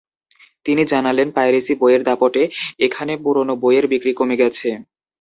তিনি জানালেন, পাইরেসি বইয়ের দাপটে এখানে পুরোনো বইয়ের বিক্রি কমে গেছে।